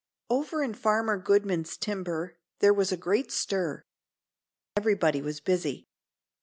Over in Farmer Goodman's timber there was a great stir. Everybody was busy.